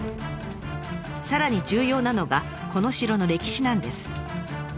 さらに重要なのがこの城の歴史なんです。